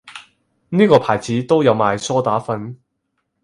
呢個牌子都有賣梳打粉